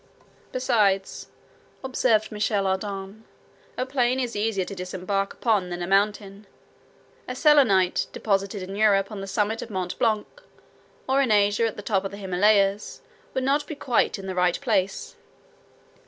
"Besides," observed Michel Ardan, "a plain is easier to disembark upon than a mountain. A Selenite, deposited in Europe on the summit of Mont Blanc, or in Asia on the top of the Himalayas, would not be quite in the right place."